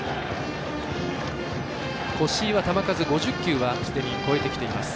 越井は球数５０球はすでに超えてきています。